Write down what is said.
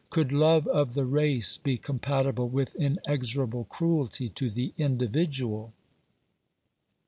Could love of the race be compatible with inexorable cruelty to the individual